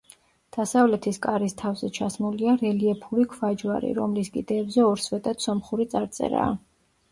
დასავლეთის კარის თავზე ჩასმულია რელიეფური ქვაჯვარი, რომლის კიდეებზე ორ სვეტად სომხური წარწერაა.